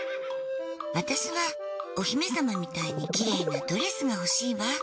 私はお姫様みたいにきれいなドレスが欲しいわ。